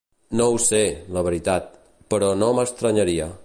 No ho sé, la veritat, però no m'estranyaria.